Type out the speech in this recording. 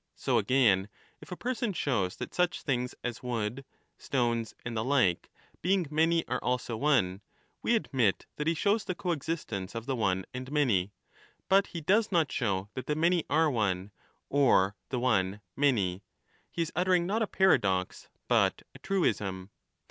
So again, if a person shows that such things as wood, stones, and the like, being many are also one, we admit that he shows the coexist ence of the one and many, but he does not show that the many are one or the one many; he is uttering not a paradox but a truism.